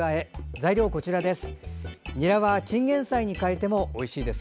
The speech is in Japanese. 材料はこちらです。